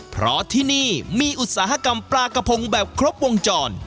เพราะที่นี่มีอุตสาหกรรมปลากระพงแบบครบวงจร